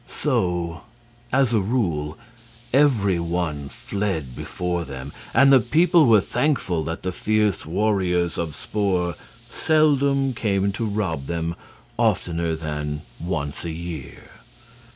So, as a rule, every one fled before them, and the people were thankful that the fierce warriors of Spor seldom came to rob them oftener than once a year.